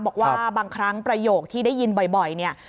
บอกว่าบางครั้งประโยคที่ได้ยินบ่อยเนี่ย